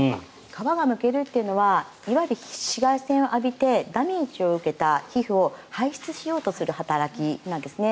皮がむけるというのは紫外線を浴びてダメージを受けた皮膚を排出しようとする働きなんですね。